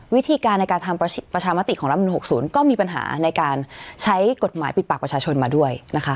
วิธีการในการทำประชามติของรัฐมนุน๖๐ก็มีปัญหาในการใช้กฎหมายปิดปากประชาชนมาด้วยนะคะ